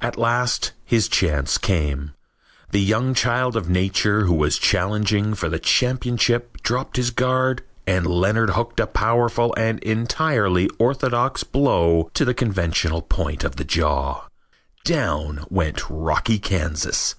At last his chance came. The young child of nature who was challenging for the championship dropped his guard and Leonard hooked a powerful and entirely orthodox blow to the conventional point of the jaw. Down went Rocky Kansas.